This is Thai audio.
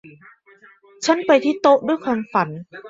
ฉันไปที่โต๊ะด้วยความฝัน